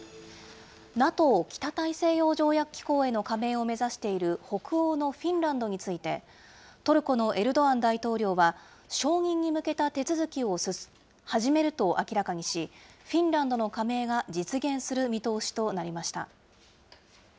ＮＡＴＯ・北大西洋条約機構への加盟を目指している北欧のフィンランドについて、トルコのエルドアン大統領は、承認に向けた手続きを始めると明らかにし、フィンランドの加盟が実現する見通しとなりました。